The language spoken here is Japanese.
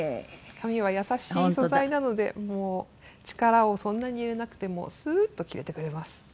紙は優しい素材なので力をそんなに入れなくてもスーッと切れてくれます。